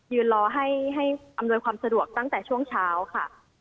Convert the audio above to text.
รอให้อำนวยความสะดวกตั้งแต่ช่วงเช้าค่ะ